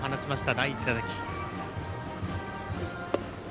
第１打席。